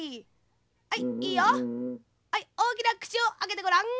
はいおおきなくちをあけてごらん。